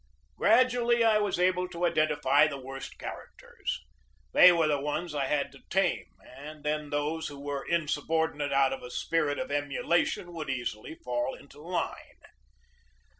Gradually I was able to identify the worst char acters. They were the ones I had to tame, and then 126 GEORGE DEWEY those who were insubordinate out of a spirit of emu lation would easily fall into line.